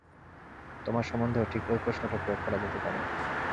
তোমার সম্বন্ধেও ঠিক ঐ প্রশ্নটা প্রয়োগ করা যেতে পারে।